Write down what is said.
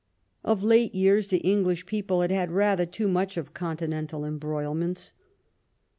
Of late years the English people had had rather too much of continental embroilments.